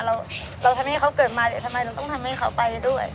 เราทำให้เขาเกิดมาเดี๋ยวทำไมเราต้องทำให้เขาไปด้วย